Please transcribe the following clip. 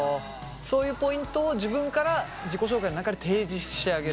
そういうポイントを自分から自己紹介の中で提示してあげる。